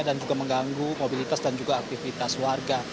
dan juga mengganggu mobilitas dan juga aktivitas warga